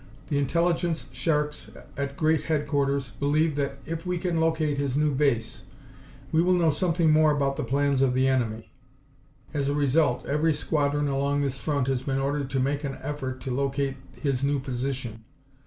The Intelligence sharks at Great Headquarters believe that if we can locate his new base we will know something more about the plans of the enemy. As a result, every squadron along this front has been ordered to make an effort to locate his new position.